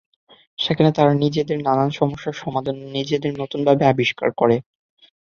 সেখানে তাঁরা নিজেরদের নানা সমস্যার সমাধান এবং নিজেদের নতুন ভাবে আবিষ্কার করে।